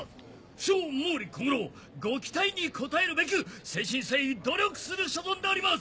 不肖毛利小五郎ご期待に応えるべく誠心誠意努力する所存であります！